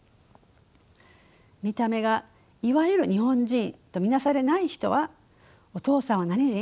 見た目がいわゆる日本人と見なされない人はお父さんは何人？